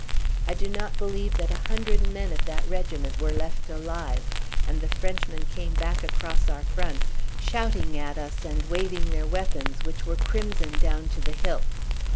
I do not believe that a hundred men of that regiment were left alive; and the Frenchmen came back across our front, shouting at us and waving their weapons, which were crimson down to the hilts.